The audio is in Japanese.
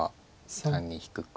単に引くか。